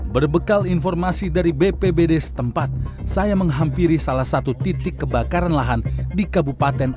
berbekal informasi dari bpbd setempat saya menghampiri salah satu titik kebakaran lahan di kabupaten